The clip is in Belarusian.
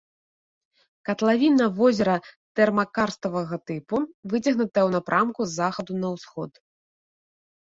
Катлавіна возера тэрмакарставага тыпу, выцягнутая ў напрамку з захаду на ўсход.